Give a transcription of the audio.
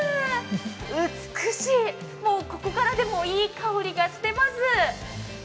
美しい、もうここからでもいい香りがしています。